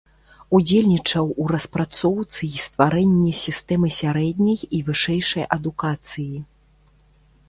Удзельнічаў у распрацоўцы і стварэнні сістэмы сярэдняй і вышэйшай адукацыі.